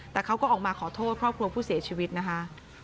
แต่เขาก็ออกมาขอโทษครอบครัวผู้เสียชีวิตนะคะ